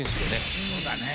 そうだね。